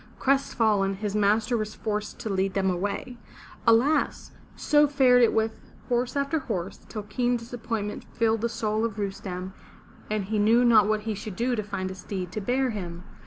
Crestfallen, his master was forced to lead him away. Alas! so fared it with horse after horse, till keen disappointment filled the soul of Rustem and he knew not what he should do to find a steed to bear him.